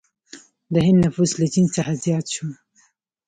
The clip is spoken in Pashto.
د هند نفوس له چین څخه زیات شو.